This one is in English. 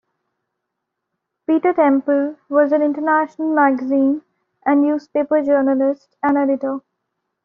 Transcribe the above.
Peter Temple was an international magazine and newspaper journalist and editor.